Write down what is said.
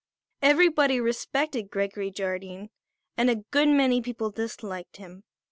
Everybody respected Gregory Jardine and a good many people disliked him.